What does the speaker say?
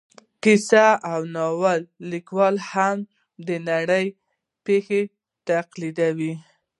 کیسه او ناول لیکوال هم د نړۍ د پېښو تقلید کوي